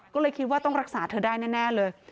ก็เลยคิดว่าต้องรักษาเธอได้แน่เลย